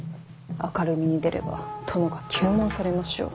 明るみに出れば殿が糾問されましょう。